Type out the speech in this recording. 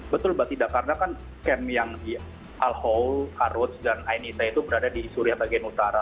betul mbak tidak karena kan camp yang di al hawl ar ruj dan ain issa itu berada di suria bagian utara